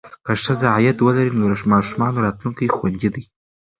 که ښځه عاید ولري، نو د ماشومانو راتلونکی خوندي دی.